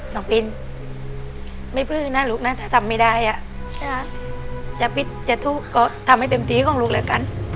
น้องปินไม่ปลื่นนะลูกนะถ้าทำไม่ได้จะปิดจะทุกข์ก็ทำให้เต็มที่ของลูกแล้วกัน